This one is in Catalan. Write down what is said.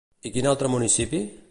I quin altre municipi?